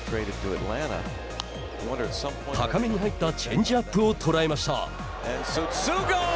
高めに入ったチェンジアップを捉えました。